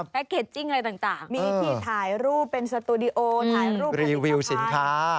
ครับมีที่ถ่ายรูปเป็นสตูดิโอถ่ายรูปรีวิวสินค้า